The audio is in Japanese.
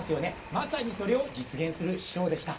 まさにそれを実現する師匠でした。